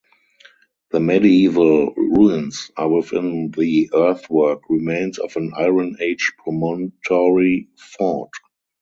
The medieval ruins are within the earthwork remains of an Iron Age promontory fort.